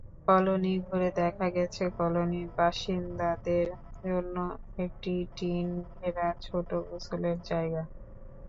Colony ঘুরে দেখা গেছে, কলোনির বাসিন্দাদের জন্য একটি টিন ঘেরা ছোট গোসলের জায়গা।